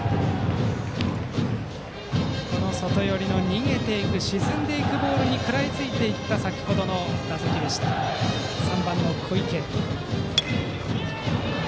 外寄りの逃げていく、沈んでいくボールに食らいついていった先程の打席でした、３番の小池。